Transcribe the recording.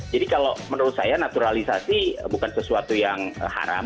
jadi kalau menurut saya naturalisasi bukan sesuatu yang haram